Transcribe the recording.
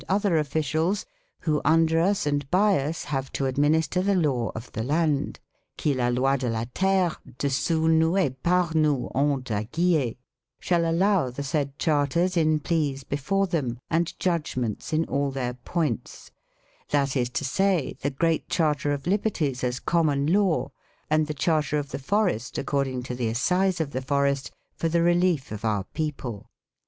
(122) MAGNA CARTA AND COMMON LAW 123 officials who under us and by us have to administer the law of the land (' qui la loy de la terre desoutz nous et par nous ount a guier '), shall allow the said charters in pleas before them and judgments in all their points; that is to say, the Great Charter of Liberties as common law, and the Charter of the Forest according to the Assize of the Forest, for the relief of our people.